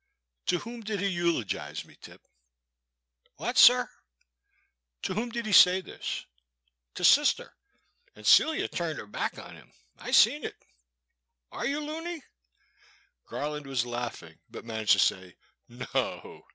'* To whom did he eulogize me. Tip ?" "What, sir?" " To whom did he say this ?"" To sister — an' Celia turned her back on him; I seen it. Are you loony ?" Garland was laughing but managed to say, no.